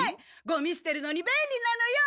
ゴミすてるのにべんりなのよ！